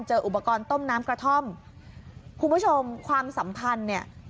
อุปกรณ์ต้มน้ำกระท่อมคุณผู้ชมความสัมพันธ์เนี่ย